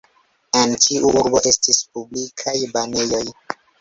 En ĉiu urbo estis publikaj banejoj.